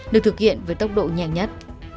được thực hiện với tốc độ nhẹ nhất